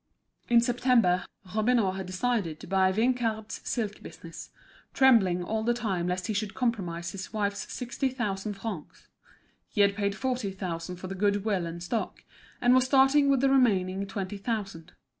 In September, Robineau had decided to buy Vinçard's silk business, trembling all the time lest he should compromise his wife's sixty thousand francs. He had paid forty thousand for the good will and stock, and was starting with the remaining twenty thousand.